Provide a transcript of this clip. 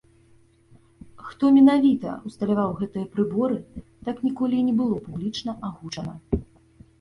Хто менавіта ўсталяваў гэтыя прыборы, так ніколі і не было публічна агучана.